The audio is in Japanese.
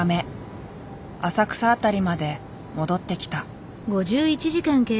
浅草辺りまで戻ってきた。